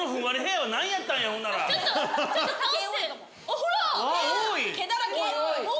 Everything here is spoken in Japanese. ほら！